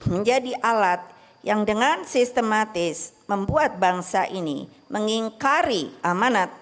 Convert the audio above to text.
menjadi alat yang dengan sistematis membuat bangsa ini mengingkari amanat